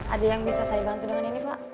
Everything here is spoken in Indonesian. ada yang bisa saya bantu dengan ini pak